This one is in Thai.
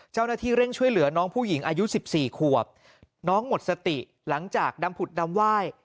เจ้าหน้าที่เร่งช่วยเหลือน้องผู้หญิงอายุ๑๔ขวบน้องหมดสติหลังจากดำผุดดำไหว้